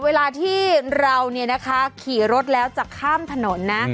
เวลาที่เราขี่รถแล้วจะข้ามถนนนะ